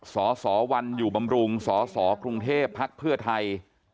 สสวันอยู่บำรุงสสกรุงเทพภักดิ์เพื่อไทย